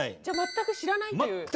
じゃあ全く知らないという。